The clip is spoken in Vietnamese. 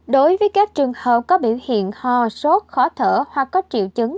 đối với các trường hợp có biểu hiện ho sốt khó thở hoặc có triệu chứng